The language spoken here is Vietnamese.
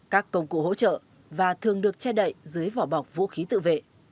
các công cụ hỗ trợ và thường được che đậy dưới vỏ bọc vũ khí tự vệ